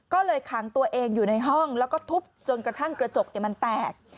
ก็เลยขังตัวเองอยู่ในห้องแล้วก็ทุบจนกระทั่งกระจกมันแตก